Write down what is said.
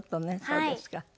そうですか。